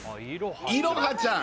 いろはちゃん